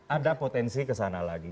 ada potensi kesana lagi